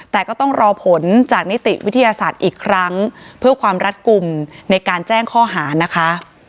แต่ก็ต้องรอผลจากนิติวิทยาศาสตร์อีกครั้งเพื่อความรัดกลุ่มในการแจ้งข้อหานะคะ